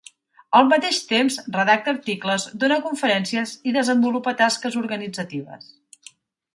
Al mateix temps, redacta articles, dóna conferències i desenvolupa tasques organitzatives.